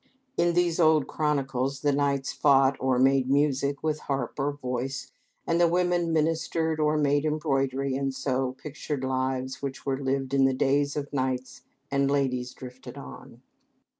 In these old chronicles the knights fought or made music with harp or voice, and the women ministered or made embroidery, and so pictured lives which were lived in the days of knights and ladies drifted on.